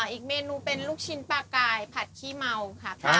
อีกเมนูเป็นลูกชิ้นปลากายผัดขี้เมาค่ะ